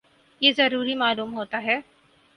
یہ ضروری معلوم ہوتا ہے